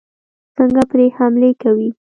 څنګه پرې حملې کوي.